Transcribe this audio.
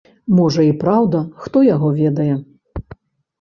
Можа, і праўда, хто яго ведае.